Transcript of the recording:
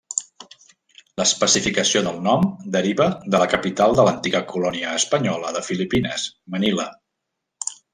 L'especificació del nom deriva de la capital de l'antiga colònia espanyola de Filipines, Manila.